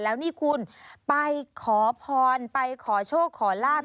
แล้วนี่คุณไปขอพรไปขอโชคขอลาบ